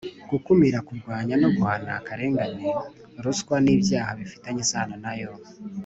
gukumira, kurwanya no guhana akarengane, ruswa n’ibyaha bifitanye isano na yo;